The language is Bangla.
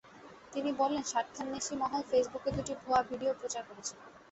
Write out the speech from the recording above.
তিনি বলেন, স্বার্থান্বেষী মহল ফেসবুকে দুটি ভুয়া ভিডিও প্রচার করেছিল।